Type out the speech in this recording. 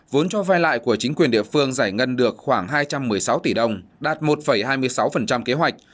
vốn cho vay lại của chính quyền địa phương giải ngân được khoảng hai trăm một mươi sáu tỷ đồng đạt một hai mươi sáu kế hoạch